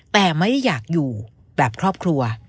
แต่ไม่ได้อยากอยู่แบบครอบครัว